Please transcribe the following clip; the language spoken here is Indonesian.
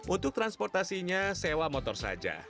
untuk transportasinya sewa motor saja